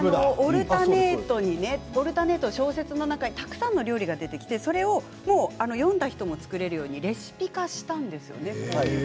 「オルタネート」小説の中にたくさんの料理が出てきて読んだ人が作れるようにレシピ化したんですよね。